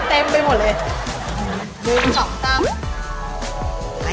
ก็ไปดูแล้วนะ